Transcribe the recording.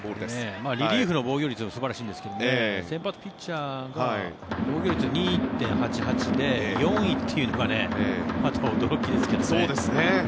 リリーフの防御率も素晴らしいんですが先発ピッチャーが防御率２．８８で４位というのがまた驚きですけどね。